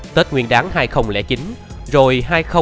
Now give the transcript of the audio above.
tết nguyên đáng hai nghìn chín rồi hai nghìn một mươi chín